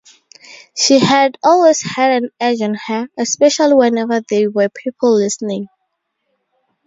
She had always had an edge on her, especially whenever there were people listening.